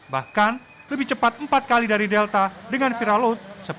bahkan lebih cepat empat kali dari delta dengan viral load